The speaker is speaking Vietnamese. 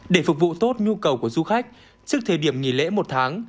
để phục vụ tốt nhu cầu của du khách trước thời điểm nghỉ lễ một tháng